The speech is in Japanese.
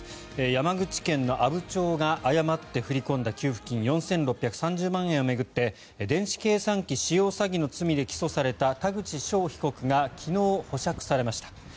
山口県の阿武町が誤って振り込んだ給付金４６３０万円を巡って電子計算機使用詐欺の罪で起訴された田口翔被告が昨日、保釈されました。